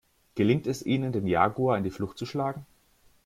Gelingt es ihnen, den Jaguar in die Flucht zu schlagen?